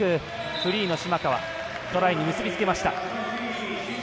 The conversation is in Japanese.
フリーの島川トライに結び付けました。